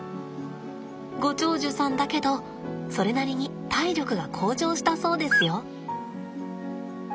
ご長寿さんだけどそれなりに体力が向上したそうですよ。